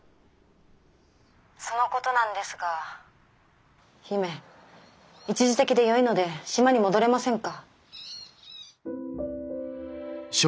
そのことなんですが姫一時的でよいので島に戻れませんか？